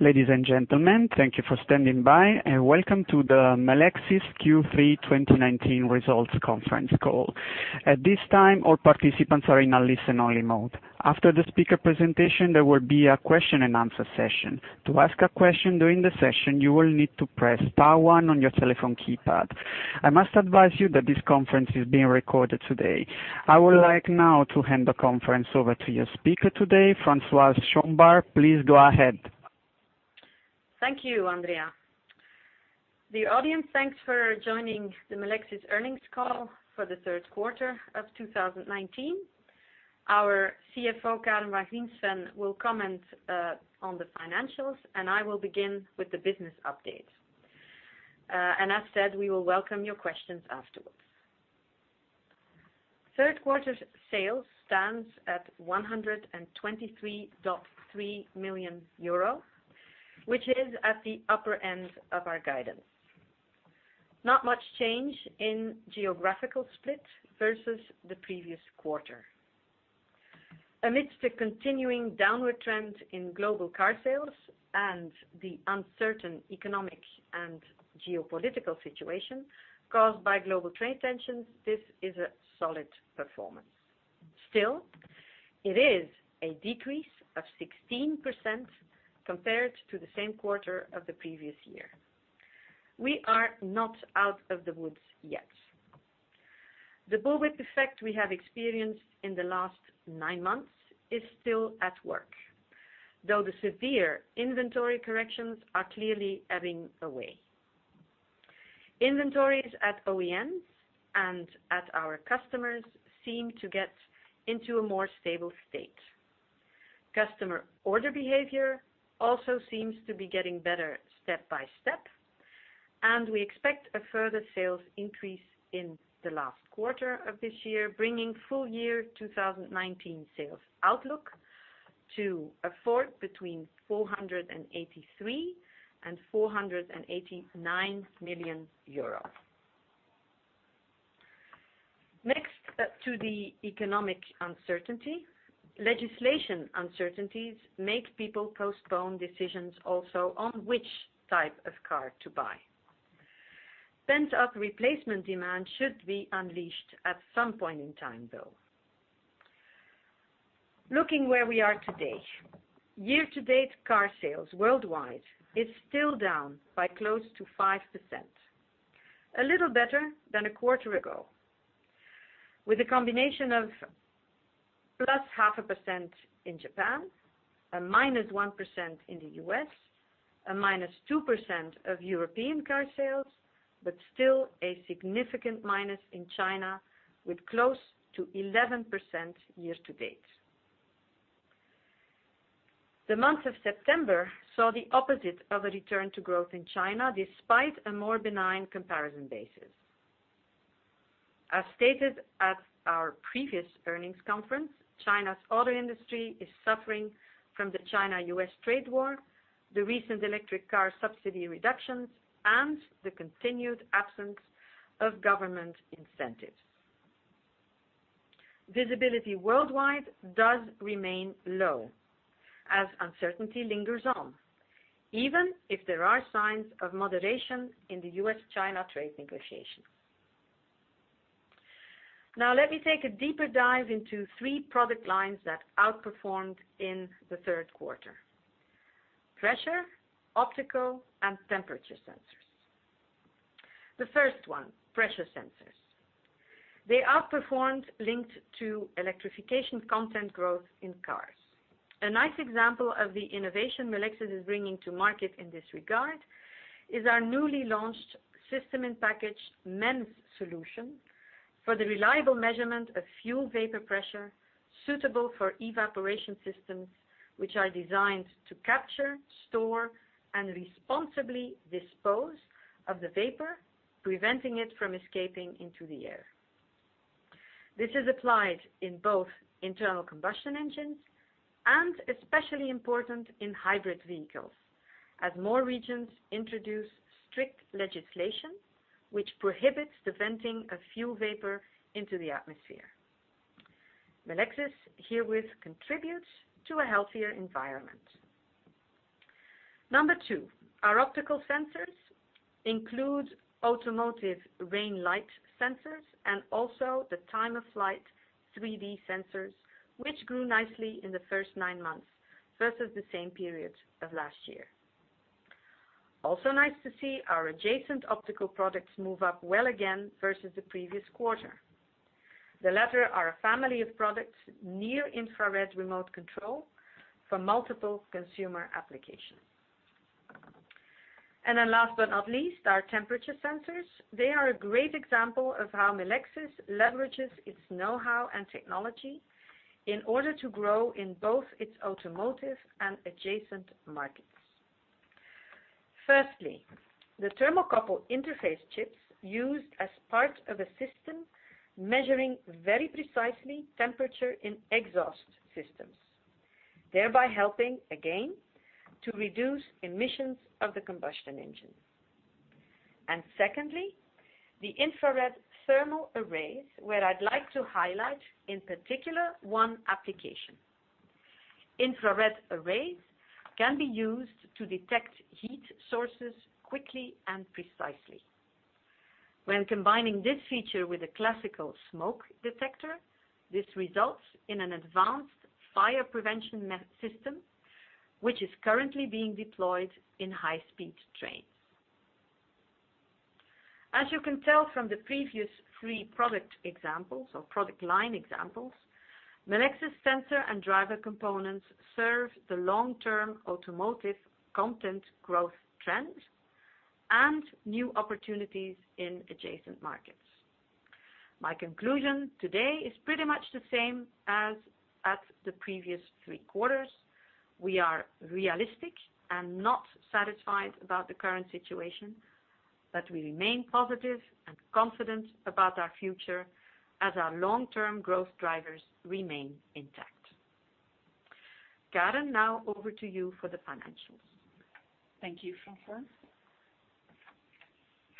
Ladies and gentlemen, thank you for standing by, and welcome to the Melexis Q3 2019 results conference call. At this time, all participants are in a listen-only mode. After the speaker presentation, there will be a question and answer session. To ask a question during the session, you will need to press star one on your telephone keypad. I must advise you that this conference is being recorded today. I would like now to hand the conference over to your speaker today, Françoise Chombar. Please go ahead. Thank you, Andrea. Dear audience, thanks for joining the Melexis earnings call for the third quarter of 2019. Our CFO, Karen Van Griensven, will comment on the financials. I will begin with the business update. As said, we will welcome your questions afterwards. Third quarter sales stands at 123.3 million euros, which is at the upper end of our guidance. Not much change in geographical split versus the previous quarter. Amidst the continuing downward trend in global car sales and the uncertain economic and geopolitical situation caused by global trade tensions, this is a solid performance. Still, it is a decrease of 16% compared to the same quarter of the previous year. We are not out of the woods yet. The bullwhip effect we have experienced in the last nine months is still at work, though the severe inventory corrections are clearly ebbing away. Inventories at OEMs and at our customers seem to get into a more stable state. Customer order behavior also seems to be getting better step by step, and we expect a further sales increase in the last quarter of this year, bringing full year 2019 sales outlook to a fourth between €483 and €489 million. Next up to the economic uncertainty. Legislation uncertainties make people postpone decisions also on which type of car to buy. Pent-up replacement demand should be unleashed at some point in time, though. Looking where we are today, year-to-date car sales worldwide is still down by close to 5%, a little better than a quarter ago. With a combination of plus half a percent in Japan, a minus 1% in the U.S., a minus 2% of European car sales, but still a significant minus in China, with close to 11% year-to-date. The month of September saw the opposite of a return to growth in China, despite a more benign comparison basis. As stated at our previous earnings conference, China's auto industry is suffering from the China-U.S. trade war, the recent electric car subsidy reductions, and the continued absence of government incentives. Visibility worldwide does remain low as uncertainty lingers on, even if there are signs of moderation in the U.S.-China trade negotiations. Let me take a deeper dive into three product lines that outperformed in the third quarter. Pressure, optical, and temperature sensors. The first one, pressure sensors. They outperformed linked to electrification content growth in cars. A nice example of the innovation Melexis is bringing to market in this regard is our newly launched system and packaged MEMS solution for the reliable measurement of fuel vapor pressure suitable for evaporation systems, which are designed to capture, store, and responsibly dispose of the vapor, preventing it from escaping into the air. This is applied in both internal combustion engines and especially important in hybrid vehicles, as more regions introduce strict legislation which prohibits the venting of fuel vapor into the atmosphere. Melexis herewith contributes to a healthier environment. Number 2, our optical sensors include automotive rain light sensors, and also the Time-of-Flight 3D sensors, which grew nicely in the first 9 months versus the same period of last year. Also nice to see our adjacent optical products move up well again versus the previous quarter. The latter are a family of products, near-infrared remote control for multiple consumer applications. Last but not least, our temperature sensors. They are a great example of how Melexis leverages its know-how and technology in order to grow in both its automotive and adjacent markets. Firstly, the thermocouple interface chips used as part of a system measuring very precisely temperature in exhaust systems, thereby helping again to reduce emissions of the combustion engine. Secondly, the infrared thermal arrays, where I'd like to highlight in particular one application. Infrared arrays can be used to detect heat sources quickly and precisely. When combining this feature with a classical smoke detector, this results in an advanced fire prevention system, which is currently being deployed in high-speed trains. As you can tell from the previous three product examples or product line examples, Melexis sensor and driver components serve the long-term automotive content growth trend and new opportunities in adjacent markets. My conclusion today is pretty much the same as at the previous three quarters. We are realistic and not satisfied about the current situation, we remain positive and confident about our future as our long-term growth drivers remain intact. Karen, now over to you for the financials. Thank you, Françoise.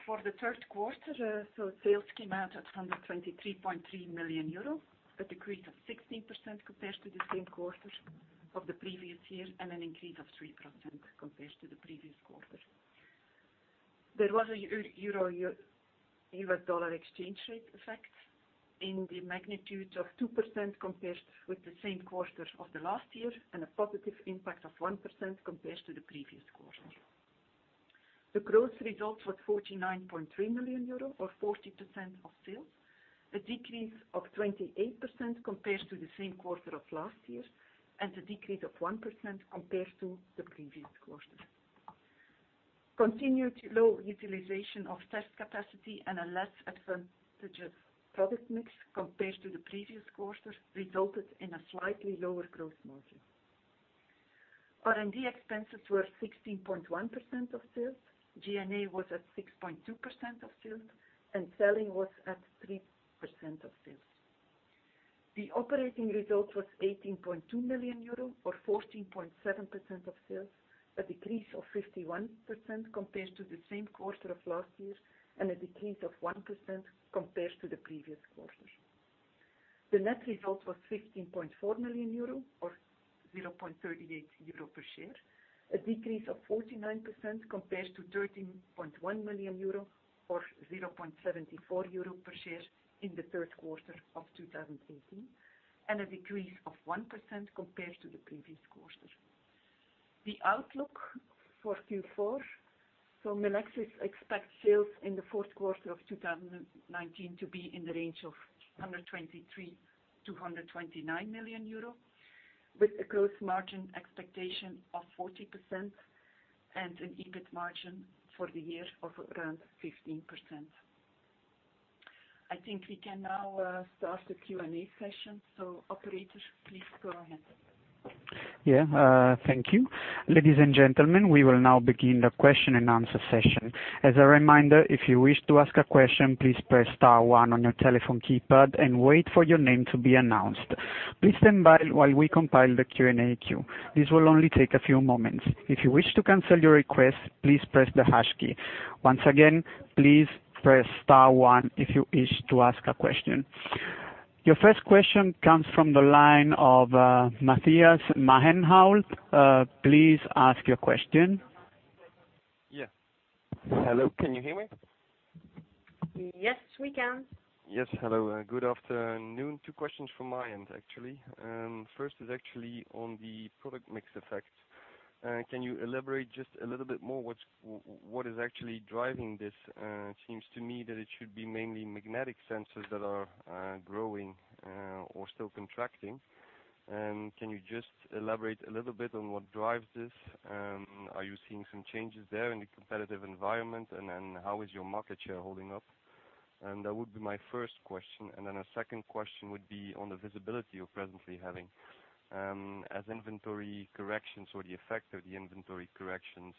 For the third quarter, sales came out at 123.3 million euros, a decrease of 16% compared to the same quarter of the previous year, and an increase of 3% compared to the previous quarter. There was a euro-US dollar exchange rate effect in the magnitude of 2% compared with the same quarter of the last year, and a positive impact of 1% compared to the previous quarter. The gross result was 49.3 million euro or 40% of sales, a decrease of 28% compared to the same quarter of last year, and a decrease of 1% compared to the previous quarter. Continued low utilization of test capacity and a less advantageous product mix compared to the previous quarter resulted in a slightly lower gross margin. R&D expenses were 16.1% of sales. G&A was at 6.2% of sales, and selling was at 3% of sales. The operating result was 18.2 million euro or 14.7% of sales, a decrease of 51% compared to the same quarter of last year and a decrease of 1% compared to the previous quarter. The net result was 15.4 million euro or 0.38 euro per share, a decrease of 49% compared to 13.1 million euro or 0.74 euro per share in the third quarter of 2018, and a decrease of 1% compared to the previous quarter. The outlook for Q4, Melexis expects sales in the fourth quarter of 2019 to be in the range of 123 million-129 million euro, with a gross margin expectation of 40% and an EBIT margin for the year of around 15%. I think we can now start the Q&A session. Operator, please go ahead. Yeah. Thank you. Ladies and gentlemen, we will now begin the question and answer session. As a reminder, if you wish to ask a question, please press star one on your telephone keypad and wait for your name to be announced. Please stand by while we compile the Q&A queue. This will only take a few moments. If you wish to cancel your request, please press the hash key. Once again, please press star one if you wish to ask a question. Your first question comes from the line of Marc Hesselink. Please ask your question. Yeah. Hello? Can you hear me? Yes, we can. Yes. Hello. Good afternoon. Two questions from my end, actually. First is actually on the product mix effect. Can you elaborate just a little bit more what is actually driving this? It seems to me that it should be mainly magnetic sensors that are growing or still contracting. Can you just elaborate a little bit on what drives this? Are you seeing some changes there in the competitive environment, and then how is your market share holding up? That would be my first question. A second question would be on the visibility you're presently having. As inventory corrections or the effect of the inventory corrections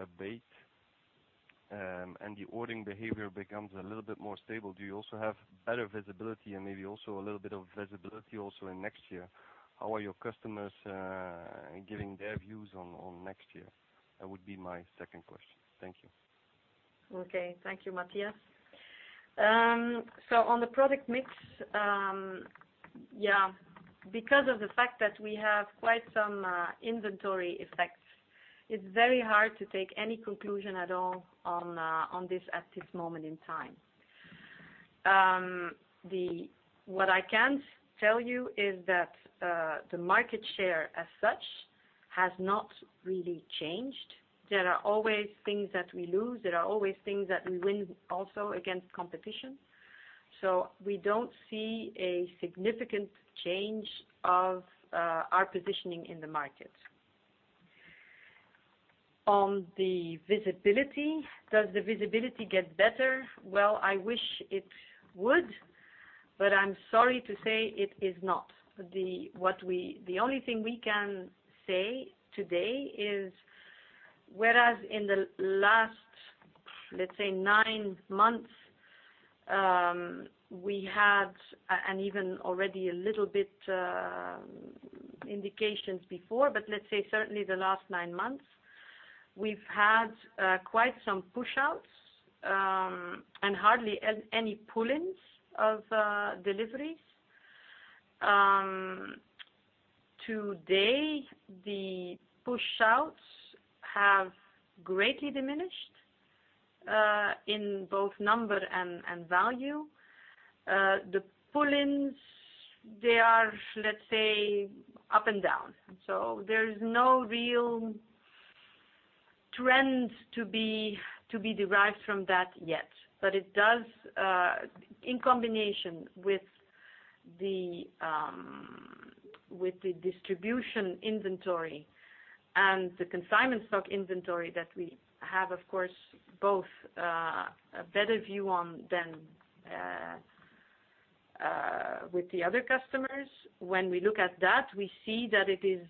abate, and the ordering behavior becomes a little bit more stable, do you also have better visibility and maybe also a little bit of visibility also in next year? How are your customers giving their views on next year? That would be my second question. Thank you. Okay. Thank you, [Marc]. On the product mix, because of the fact that we have quite some inventory effects, it's very hard to take any conclusion at all on this at this moment in time. What I can tell you is that the market share as such has not really changed. There are always things that we lose. There are always things that we win also against competition. We don't see a significant change of our positioning in the market. On the visibility, does the visibility get better? Well, I wish it would, but I'm sorry to say it is not. The only thing we can say today is, whereas in the last, let's say, nine months We had and even already a little bit indications before, let's say certainly the last nine months, we've had quite some pushouts and hardly any pull-ins of deliveries. Today, the pushouts have greatly diminished in both number and value. The pull-ins, they are, let's say, up and down. There's no real trend to be derived from that yet. It does, in combination with the distribution inventory and the consignment stock inventory that we have, of course, both a better view on than with the other customers. When we look at that, we see that it's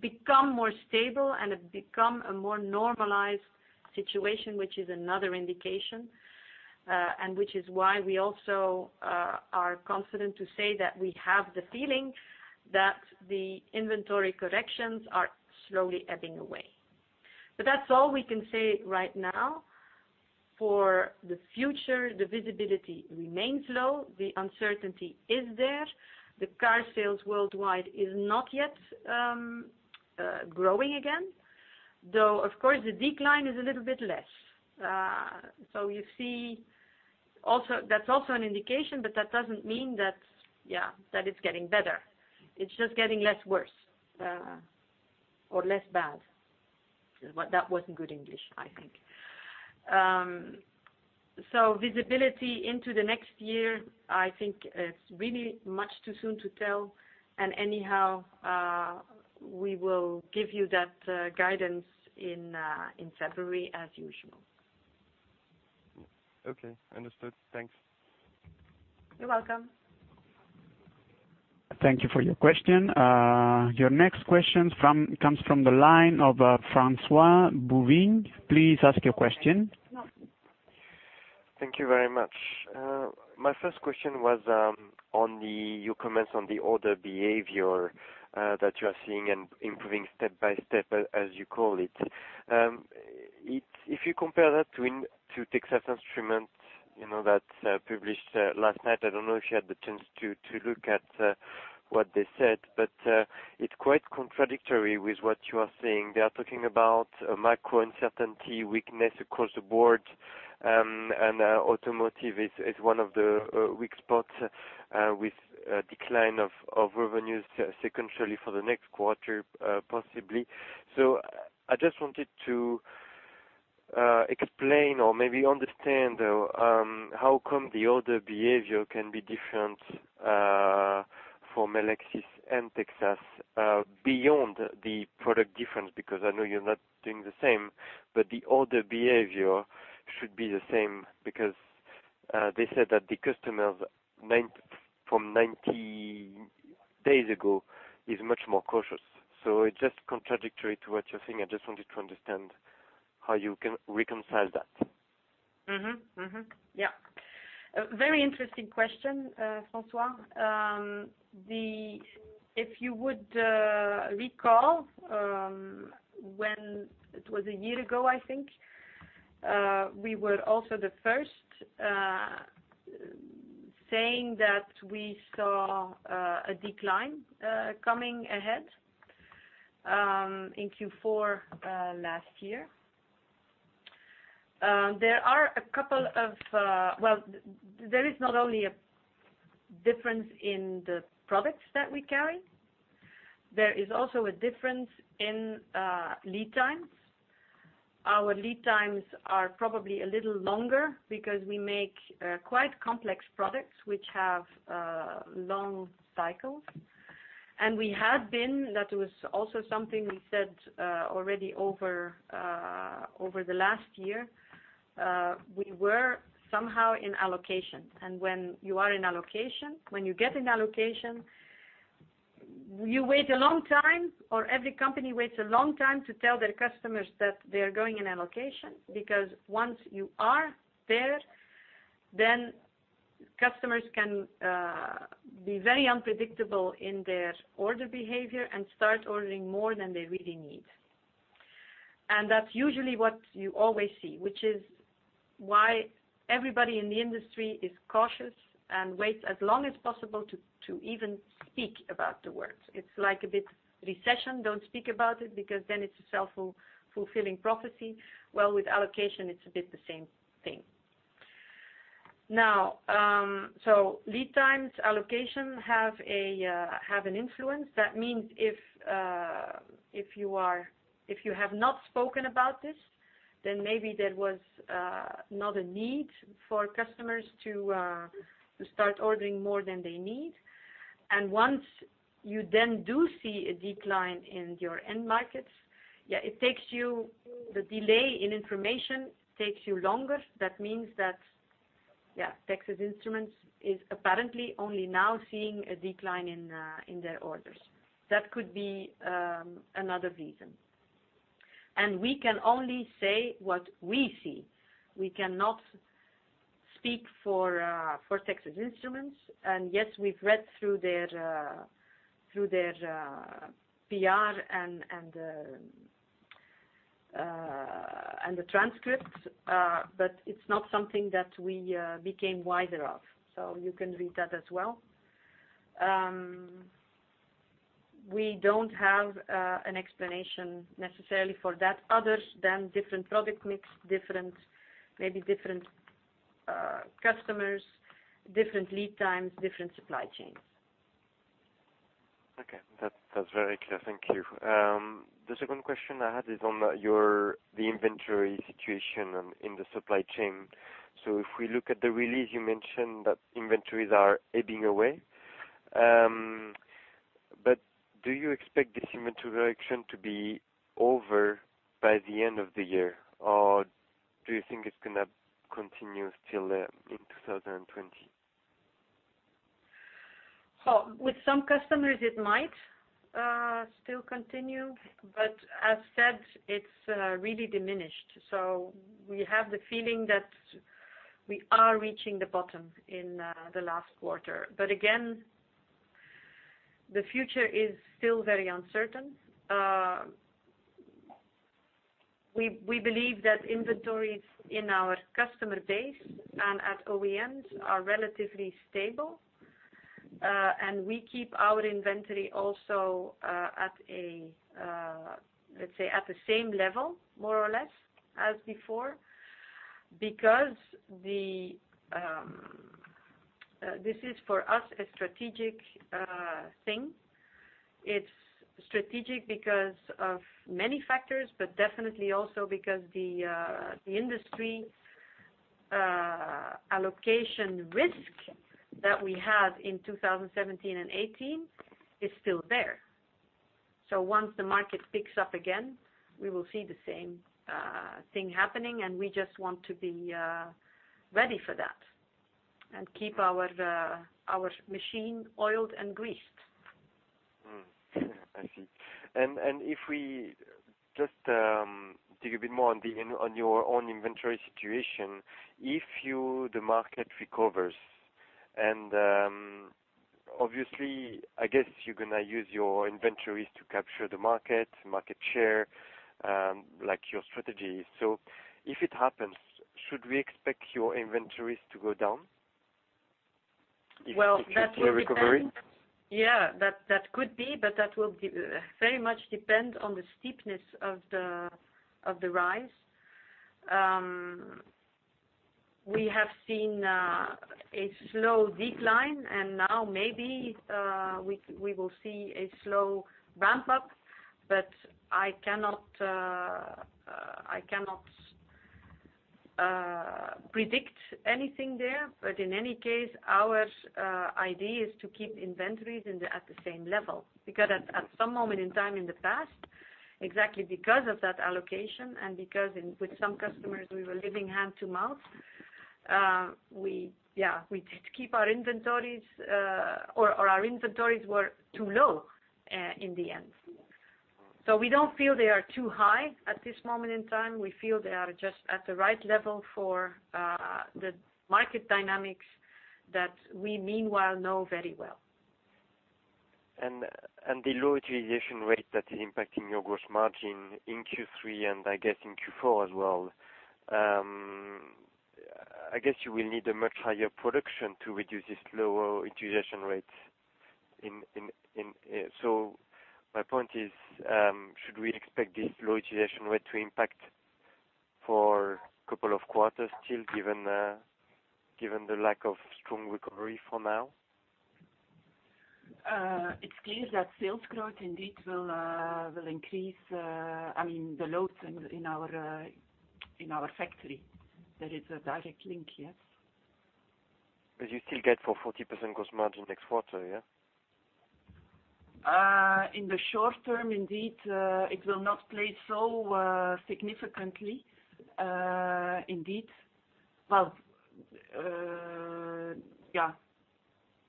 become more stable and it become a more normalized situation, which is another indication, and which is why we also are confident to say that we have the feeling that the inventory corrections are slowly ebbing away. That's all we can say right now. For the future, the visibility remains low. The uncertainty is there. The car sales worldwide is not yet growing again, though, of course, the decline is a little bit less. You see that's also an indication, but that doesn't mean that it's getting better. It's just getting less worse or less bad. That wasn't good English, I think. Visibility into the next year, I think it's really much too soon to tell, and anyhow, we will give you that guidance in February as usual. Okay. Understood. Thanks. You're welcome. Thank you for your question. Your next question comes from the line of Francois-Xavier Bouvignies. Please ask your question. Thank you very much. My first question was on your comments on the order behavior that you are seeing and improving step by step, as you call it. If you compare that to Texas Instruments that published last night, I don't know if you had the chance to look at what they said, but it's quite contradictory with what you are saying. They are talking about macro uncertainty, weakness across the board, and automotive is one of the weak spots with a decline of revenues secondarily for the next quarter, possibly. I just wanted to explain or maybe understand how come the order behavior can be different for Melexis and Texas beyond the product difference, because I know you're not doing the same, but the order behavior should be the same because they said that the customers from 90 days ago is much more cautious. It's just contradictory to what you're saying. I just wanted to understand how you can reconcile that. Yeah. A very interesting question, Francois. If you would recall when it was a year ago, I think, we were also the first saying that we saw a decline coming ahead in Q4 last year. There is not only a difference in the products that we carry, there is also a difference in lead times. Our lead times are probably a little longer because we make quite complex products which have long cycles. We had been, that was also something we said already over the last year, we were somehow in allocation. When you are in allocation, when you get in allocation, you wait a long time, or every company waits a long time to tell their customers that they're going in allocation, because once you are there, then customers can be very unpredictable in their order behavior and start ordering more than they really need. That's usually what you always see, which is why everybody in the industry is cautious and waits as long as possible to even speak about the words. It's like a bit recession, don't speak about it because then it's a self-fulfilling prophecy. Well, with allocation, it's a bit the same thing. Lead times allocation have an influence. That means if you have not spoken about this, then maybe there was not a need for customers to start ordering more than they need. Once you then do see a decline in your end markets, the delay in information takes you longer. That means that Texas Instruments is apparently only now seeing a decline in their orders. That could be another reason. We can only say what we see. We cannot speak for Texas Instruments. Yes, we've read through their PR and the transcripts. It's not something that we became wiser of. You can read that as well. We don't have an explanation necessarily for that other than different product mix, maybe different customers, different lead times, different supply chains. Okay. That's very clear. Thank you. The second question I had is on the inventory situation in the supply chain. If we look at the release, you mentioned that inventories are ebbing away. Do you expect this inventory reduction to be over by the end of the year, or do you think it's going to continue still in 2020? With some customers, it might still continue, but as said, it's really diminished. We have the feeling that we are reaching the bottom in the last quarter. Again, the future is still very uncertain. We believe that inventories in our customer base and at OEMs are relatively stable. We keep our inventory also at, let's say, at the same level, more or less, as before because this is, for us, a strategic thing. It's strategic because of many factors, but definitely also because the industry allocation risk that we had in 2017 and 2018 is still there. Once the market picks up again, we will see the same thing happening, and we just want to be ready for that and keep our machine oiled and greased. I see. If we just dig a bit more on your own inventory situation, if the market recovers and, obviously, I guess you're going to use your inventories to capture the market share, like your strategy. If it happens, should we expect your inventories to go down if we see a recovery? Yeah, that could be, but that will very much depend on the steepness of the rise. We have seen a slow decline, and now maybe we will see a slow ramp-up, but I cannot predict anything there. In any case, our idea is to keep inventories at the same level because at some moment in time in the past, exactly because of that allocation and because with some customers, we were living hand to mouth, our inventories were too low in the end. We don't feel they are too high at this moment in time. We feel they are just at the right level for the market dynamics that we meanwhile know very well. The low utilization rate that is impacting your gross margin in Q3 and I guess in Q4 as well, I guess you will need a much higher production to reduce this lower utilization rate. My point is, should we expect this low utilization rate to impact for a couple of quarters still, given the lack of strong recovery for now? It's clear that sales growth indeed will increase the loads in our factory. There is a direct link, yes. You still get for 40% gross margin next quarter, yeah? In the short term, indeed, it will not play so significantly. Well, yeah.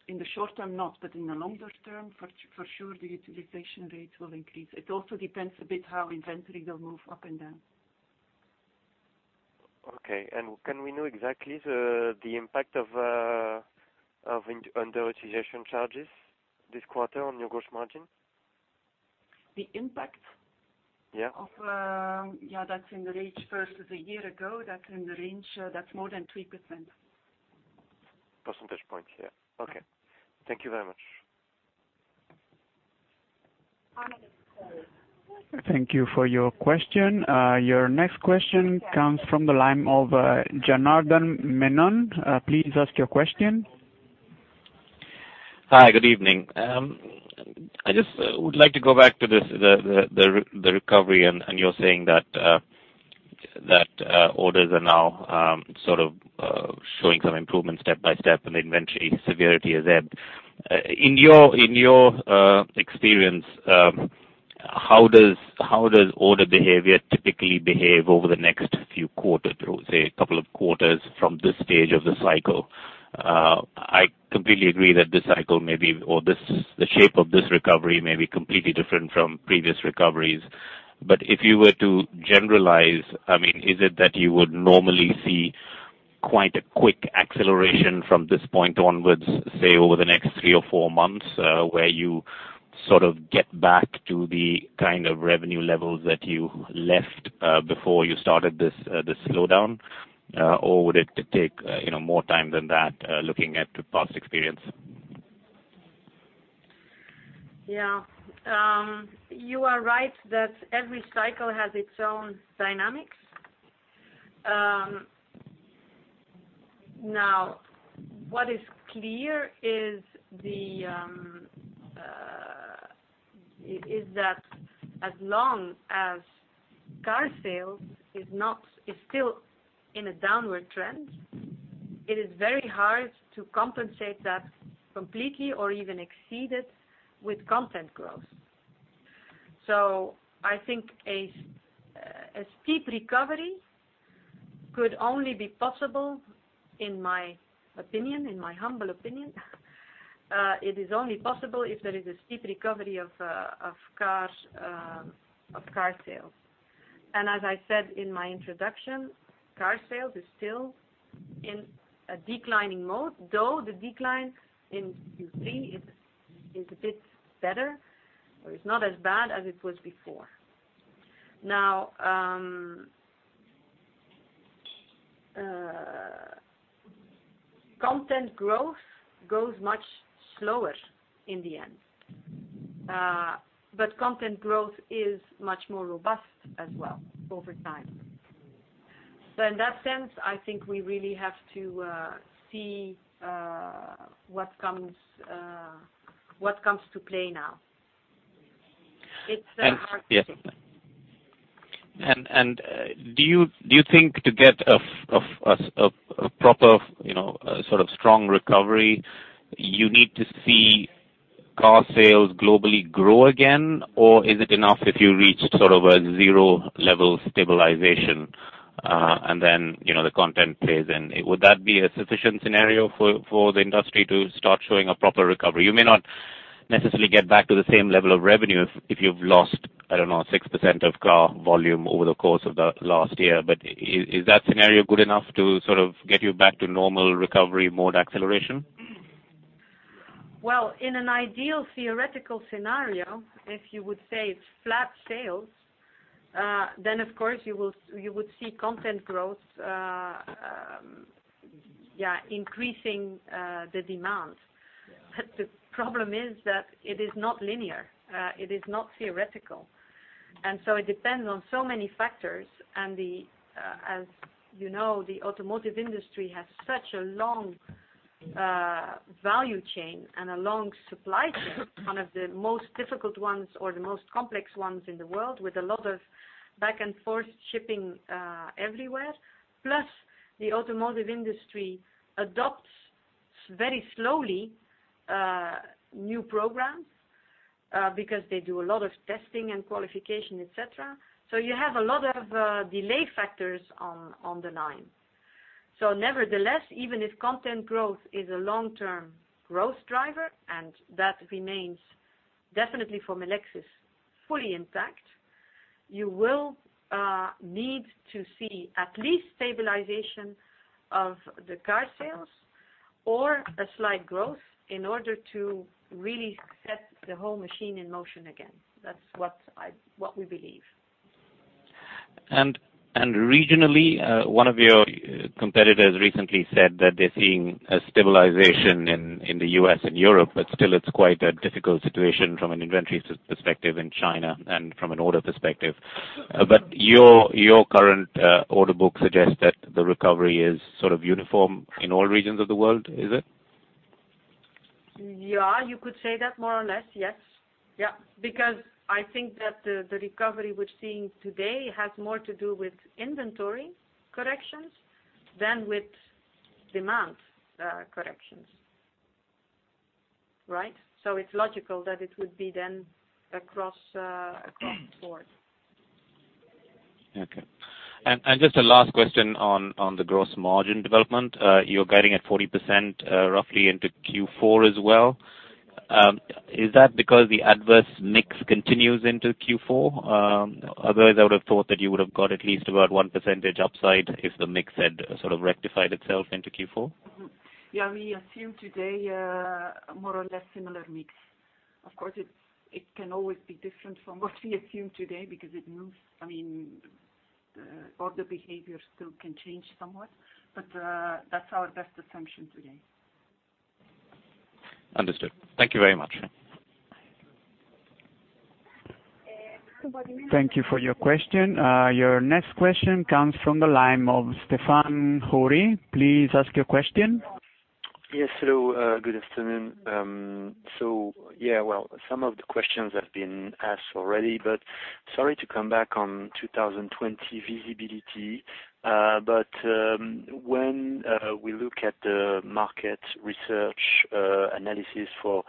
In the short term, not, but in the longer term, for sure, the utilization rate will increase. It also depends a bit how inventory will move up and down. Okay. Can we know exactly the impact of underutilization charges this quarter on your gross margin? The impact? Yeah. Yeah, versus a year ago, that's in the range, that's more than 3%. Percentage point, yeah. Okay. Thank you very much. Thank you for your question. Your next question comes from the line of Janardan Menon. Please ask your question. Hi. Good evening. I just would like to go back to the recovery, and you're saying that orders are now sort of showing some improvement step by step, and the inventory severity has ebbed. In your experience, how does order behavior typically behave over the next few quarters, say a couple of quarters from this stage of the cycle? I completely agree that the cycle may be, or the shape of this recovery may be completely different from previous recoveries. If you were to generalize, is it that you would normally see quite a quick acceleration from this point onwards, say, over the next three or four months, where you sort of get back to the kind of revenue levels that you left before you started this slowdown, or would it take more time than that looking at past experience? Yeah. You are right that every cycle has its own dynamics. What is clear is that as long as car sales is still in a downward trend, it is very hard to compensate that completely or even exceed it with content growth. I think a steep recovery could only be possible, in my humble opinion, it is only possible if there is a steep recovery of car sales. As I said in my introduction, car sales is still in a declining mode, though the decline in Q3 is a bit better, or is not as bad as it was before. Content growth goes much slower in the end. Content growth is much more robust as well over time. In that sense, I think we really have to see what comes to play now. It's hard to say. Do you think to get a proper sort of strong recovery, you need to see car sales globally grow again, or is it enough if you reach sort of a zero level stabilization, and then the content plays in? Would that be a sufficient scenario for the industry to start showing a proper recovery? You may not necessarily get back to the same level of revenue if you've lost, I don't know, 6% of car volume over the course of the last year, but is that scenario good enough to sort of get you back to normal recovery mode acceleration? In an ideal theoretical scenario, if you would say it's flat sales, of course you would see content growth increasing the demand. The problem is that it is not linear. It is not theoretical. It depends on so many factors, and as you know, the automotive industry has such a long value chain and a long supply chain, one of the most difficult ones or the most complex ones in the world, with a lot of back and forth shipping everywhere. The automotive industry adopts very slowly new programs because they do a lot of testing and qualification, et cetera. You have a lot of delay factors on the line. Nevertheless, even if content growth is a long-term growth driver, and that remains definitely for Melexis, fully intact, you will need to see at least stabilization of the car sales or a slight growth in order to really set the whole machine in motion again. That's what we believe. Regionally, one of your competitors recently said that they're seeing a stabilization in the U.S. and Europe, but still, it's quite a difficult situation from an inventory perspective in China and from an order perspective. Your current order book suggests that the recovery is sort of uniform in all regions of the world, is it? Yeah, you could say that more or less, yes. I think that the recovery we're seeing today has more to do with inventory corrections than with demand corrections. Right? It's logical that it would be then across the board. Okay. Just a last question on the gross margin development. You're guiding at 40% roughly into Q4 as well. Is that because the adverse mix continues into Q4? Otherwise, I would have thought that you would have got at least about 1% upside if the mix had sort of rectified itself into Q4. Yeah, we assume today a more or less similar mix. Of course, it can always be different from what we assume today because it moves. The order behavior still can change somewhat, but that's our best assumption today. Understood. Thank you very much. Thank you for your question. Your next question comes from the line of Stephane Houri. Please ask your question. Yes, hello, good afternoon. Yeah, well, some of the questions have been asked already, but sorry to come back on 2020 visibility. When we look at the market research analysis for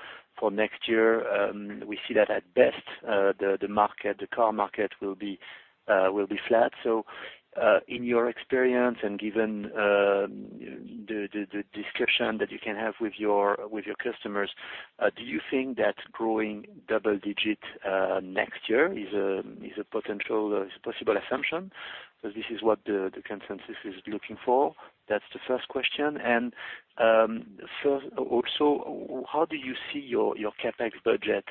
next year, we see that at best, the car market will be flat. In your experience and given the description that you can have with your customers, do you think that growing double-digit next year is a possible assumption? Because this is what the consensus is looking for. That's the first question. Also, how do you see your CapEx budget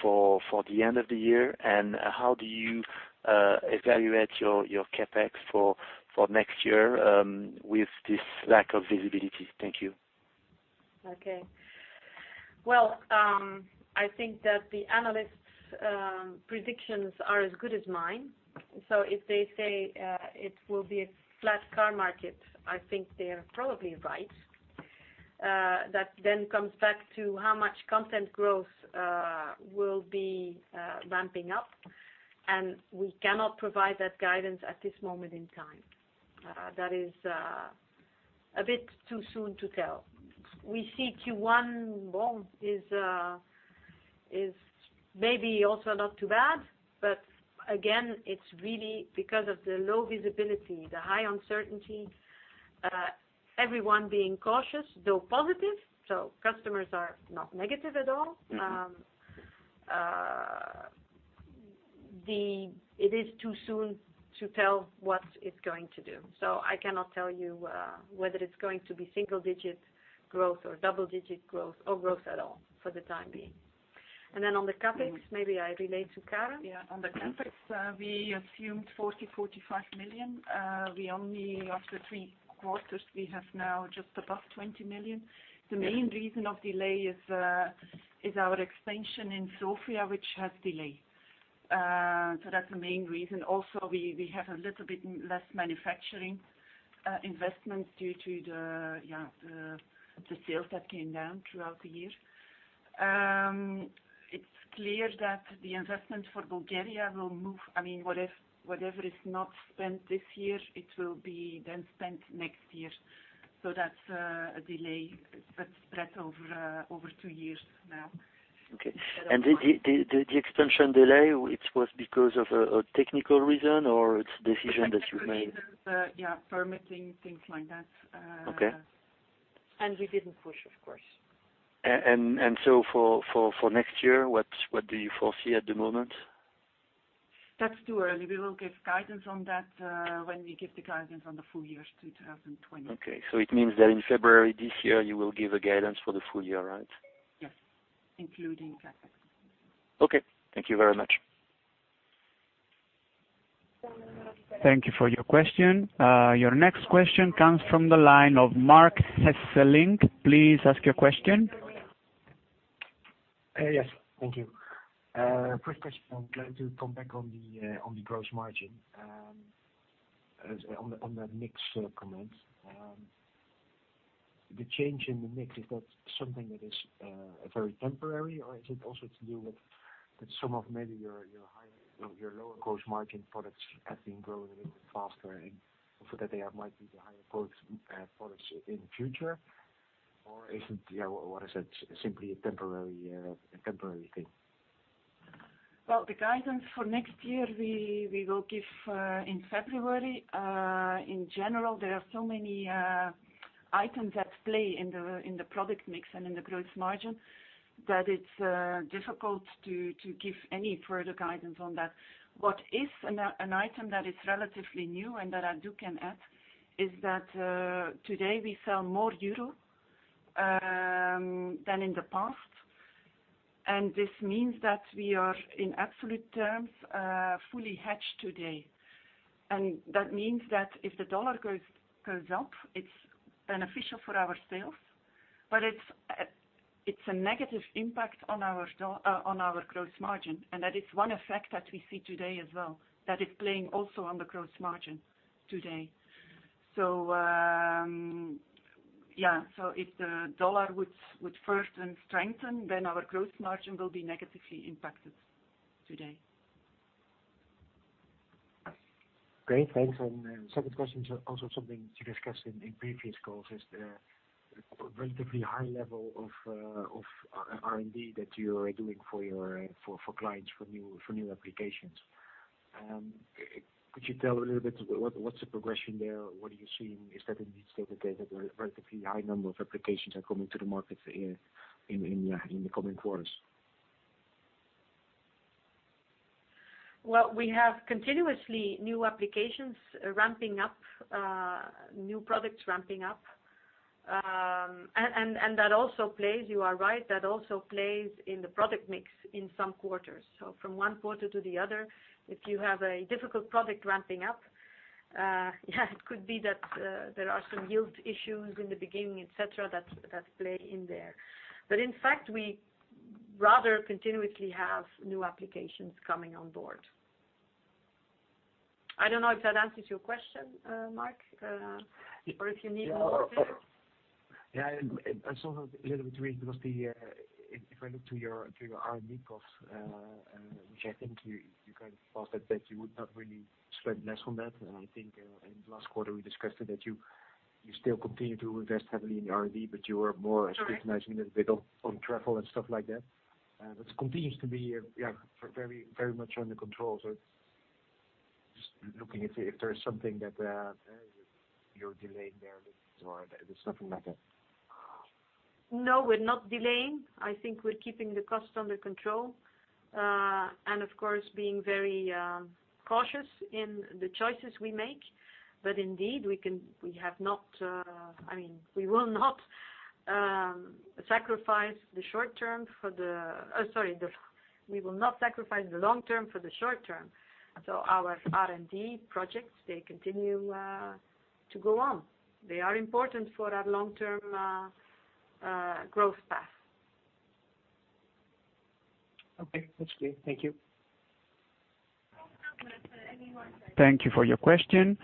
for the end of the year? How do you evaluate your CapEx for next year with this lack of visibility? Thank you. Okay. Well, I think that the analysts' predictions are as good as mine. If they say it will be a flat car market, I think they are probably right. That comes back to how much content growth will be ramping up, and we cannot provide that guidance at this moment in time. That is a bit too soon to tell. We see Q1 is maybe also not too bad, but again, it's really because of the low visibility, the high uncertainty, everyone being cautious, though positive. Customers are not negative at all. It is too soon to tell what it's going to do. I cannot tell you whether it's going to be single-digit growth or double-digit growth or growth at all for the time being. On the CapEx, maybe I relate to Karen. On the CapEx, we assumed 40 million, 45 million. We only, after three quarters, we have now just above 20 million. The main reason of delay is our expansion in Sofia, which has delay. That's the main reason. Also, we have a little bit less manufacturing investments due to the sales that came down throughout the year. It's clear that the investment for Bulgaria will move. Whatever is not spent this year, it will be then spent next year. That's a delay that's spread over two years now. Okay. The expansion delay, it was because of a technical reason or its decision that you made? Yeah, permitting, things like that. Okay. We didn't push, of course. For next year, what do you foresee at the moment? That's too early. We will give guidance on that when we give the guidance on the full year's 2020. Okay. It means that in February this year, you will give a guidance for the full year, right? Yes. Including CapEx. Okay. Thank you very much. Thank you for your question. Your next question comes from the line of Marc Hesselink. Please ask your question. Yes. Thank you. First question, I would like to come back on the gross margin, on the mix comment. The change in the mix, is that something that is very temporary, or is it also to do with some of maybe your lower gross margin products have been growing a little bit faster and so that they might be the higher products in the future? What is it, simply a temporary thing? Well, the guidance for next year, we will give in February. In general, there are so many items at play in the product mix and in the gross margin that it's difficult to give any further guidance on that. What is an item that is relatively new and that I do can add is that today we sell more EUR than in the past. This means that we are in absolute terms fully hedged today. That means that if the U.S. dollar goes up, it's beneficial for our sales, but it's a negative impact on our gross margin, and that is one effect that we see today as well. That is playing also on the gross margin today. If the U.S. dollar would further strengthen, our gross margin will be negatively impacted today. Great. Thanks. Second question is also something you discussed in previous calls, is the relatively high level of R&D that you're doing for clients for new applications. Could you tell a little bit, what's the progression there? What are you seeing? Is that indicated that a relatively high number of applications are coming to the market in the coming quarters? Well, we have continuously new applications ramping up, new products ramping up. That also plays, you are right, that also plays in the product mix in some quarters. From one quarter to the other, if you have a difficult product ramping up, yeah, it could be that there are some yield issues in the beginning, et cetera, that play in there. In fact, we rather continuously have new applications coming on board. I don't know if that answers your question, Marc, or if you need more details. Yeah, I saw that a little bit weird because if I look to your R&D costs, which I think you kind of paused at that you would not really spend less on that. I think in the last quarter, we discussed that you still continue to invest heavily in R&D, but you are more scrutinizing a bit on travel and stuff like that. That continues to be very much under control. Just looking if there is something that you're delaying there or there's nothing like that. No, we're not delaying. I think we're keeping the costs under control. Of course, being very cautious in the choices we make. Indeed, we will not sacrifice the long term for the short term. Our R&D projects, they continue to go on. They are important for our long-term growth path. Okay. That's clear. Thank you. Thank you for your question.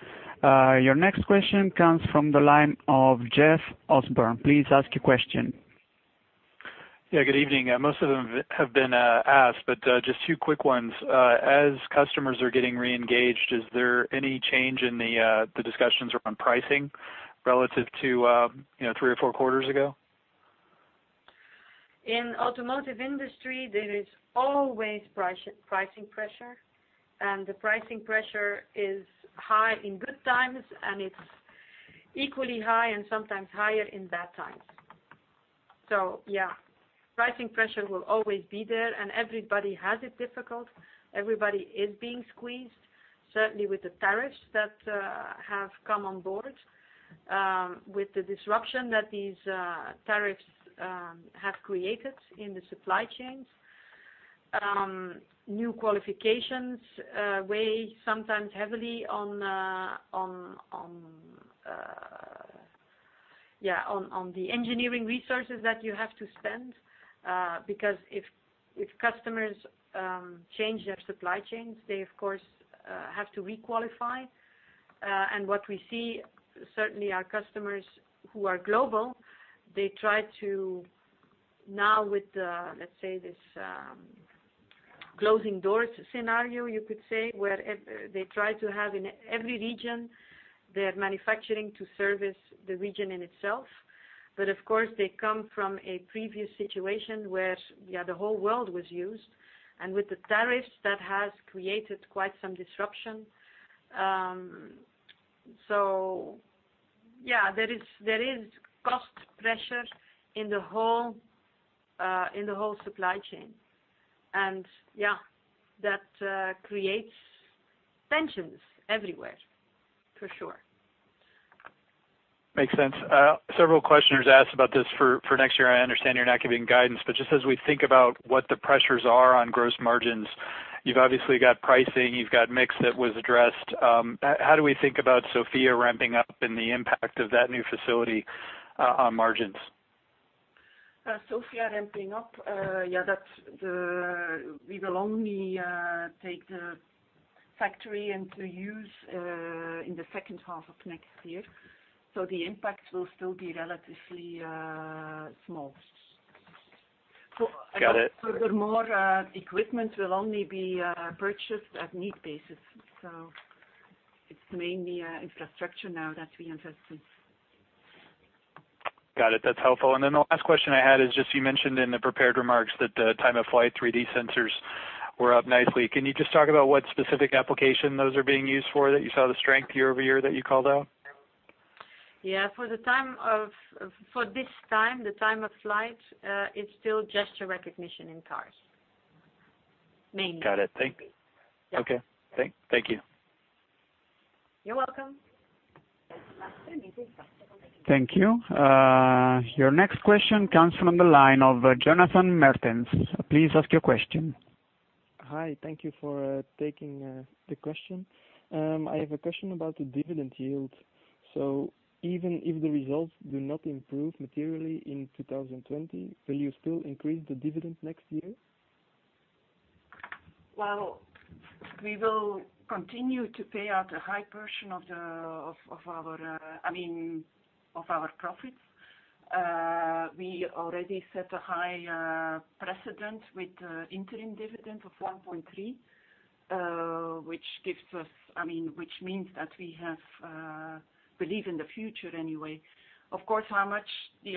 Your next question comes from the line of Jeff Osborne. Please ask your question. Good evening. Most of them have been asked, but just two quick ones. As customers are getting re-engaged, is there any change in the discussions around pricing relative to three or four quarters ago? In automotive industry, there is always pricing pressure, and the pricing pressure is high in good times, and it's equally high and sometimes higher in bad times. Yeah, pricing pressure will always be there and everybody has it difficult. Everybody is being squeezed, certainly with the tariffs that have come on board, with the disruption that these tariffs have created in the supply chains. New qualifications weigh sometimes heavily on the engineering resources that you have to spend, because if customers change their supply chains, they of course, have to re-qualify. What we see, certainly our customers who are global, they try to now with, let's say, this closing doors scenario, you could say, where they try to have in every region, their manufacturing to service the region in itself. Of course, they come from a previous situation where the whole world was used, and with the tariffs, that has created quite some disruption. Yeah, there is cost pressure in the whole supply chain. Yeah, that creates tensions everywhere, for sure. Makes sense. Several questioners asked about this for next year. I understand you're not giving guidance, but just as we think about what the pressures are on gross margins, you've obviously got pricing, you've got mix that was addressed. How do we think about Sofia ramping up and the impact of that new facility on margins? Sofia ramping up, we will only take the factory into use in the second half of next year. The impact will still be relatively small. Got it. Furthermore, equipment will only be purchased at need basis. It's mainly infrastructure now that we invest in. Got it. That's helpful. The last question I had is just you mentioned in the prepared remarks that the Time-of-Flight 3D sensors were up nicely. Can you just talk about what specific application those are being used for, that you saw the strength year-over-year that you called out? Yeah, for this time, the Time-of-Flight, it's still gesture recognition in cars, mainly. Got it. Thank you. You're welcome. Thank you. Your next question comes from the line of Jonathan Mertens. Please ask your question. Hi. Thank you for taking the question. I have a question about the dividend yield. Even if the results do not improve materially in 2020, will you still increase the dividend next year? Well, we will continue to pay out a high portion of our profits. We already set a high precedent with the interim dividend of 1.3, which means that we have belief in the future anyway. Of course, we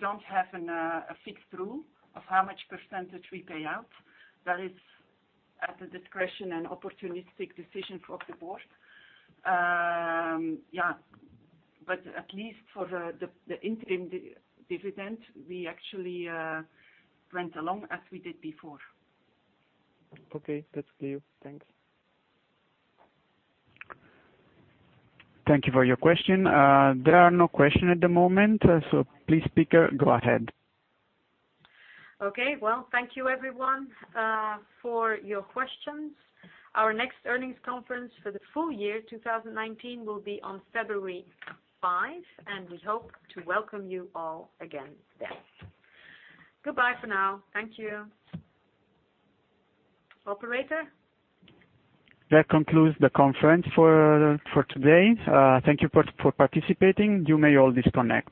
don't have a fixed rule of how much percentage we pay out. That is at the discretion and opportunistic decision for the board. At least for the interim dividend, we actually went along as we did before. Okay. That's clear. Thanks. Thank you for your question. There are no question at the moment, please, speaker, go ahead. Okay, well, thank you everyone for your questions. Our next earnings conference for the full year 2019 will be on February 5, and we hope to welcome you all again then. Goodbye for now. Thank you. Operator? That concludes the conference for today. Thank you for participating. You may all disconnect.